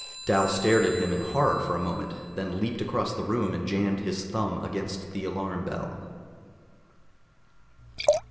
Dal stared at him in horror for a moment, then leaped across the room and jammed his thumb against the alarm bell.